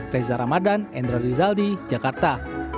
reza ramadan endra rizaldi jakarta